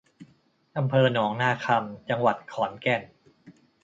อำเภอหนองนาคำ จังหวัดขอนแก่น